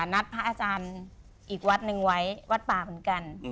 นัดพระอาจารย์อีกวัดหนึ่งไว้วัดป่าเหมือนกัน